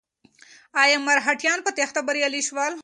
ایا مرهټیان په تېښته بریالي شول؟